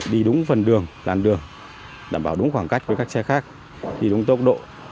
đi đúng phần đường làn đường đảm bảo đúng khoảng cách với các xe khác đi đúng tốc độ